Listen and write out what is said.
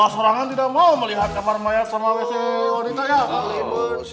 amah sorangan tidak mau melihat kamar mayat sama wc wanita ya